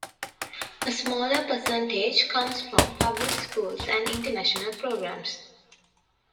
A smaller percentage comes from public schools and international programs.